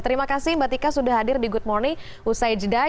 terima kasih mbak tika sudah hadir di good morning usai jeda